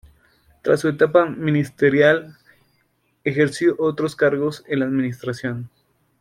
Tras su etapa ministerial, ejerció otros cargos en la Administración.